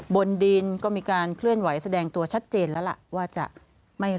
บนดินก็มีการเคลื่อนไหวแสดงตัวชัดเจนแล้วละว่าจะไม่รับร่างรัฐธรรมนุนบ้าง